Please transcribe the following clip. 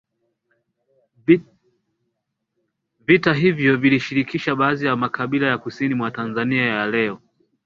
Vita hivyo vilishirikisha baadhi ya makabila ya kusini mwa Tanzania ya leo